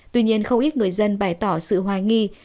tuy nhiên không ít người dân bày tỏ sự hoài nghi